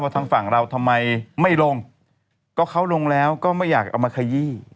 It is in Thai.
ทางฝั่งเราทำไมไม่ลงก็เขาลงแล้วก็ไม่อยากเอามาขยี้